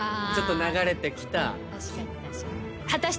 ちょっと流れてきた木。